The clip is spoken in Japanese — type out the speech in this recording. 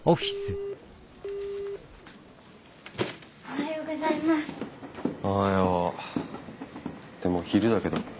おはよう。ってもう昼だけど。